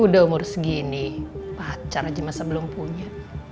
udah umur segini pacar aja masa belum punya